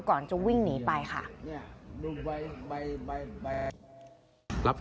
ก่อนจะวิ่งหนีไปค่ะ